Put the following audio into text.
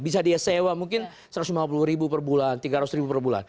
bisa dia sewa mungkin satu ratus lima puluh ribu per bulan tiga ratus ribu per bulan